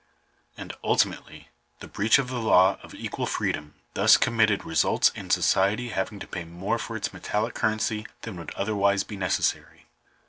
And, ulti mately, the breach of the law of equal freedom thus committed results in society having to pay more for its metallic currency than would otherwise be necessary.